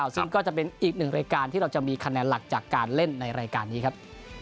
ซึ่งก็จะเป็นอีกหนึ่งรายการที่เราจะมีคะแนนหลักจากการเล่นในรายการนี้ครับ